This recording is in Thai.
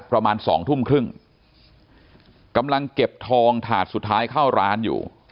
ประมาณสองทุ่มครึ่งกำลังเก็บทองถาดสุดท้ายเข้าร้านอยู่